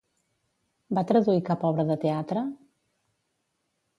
Va traduir cap obra de teatre?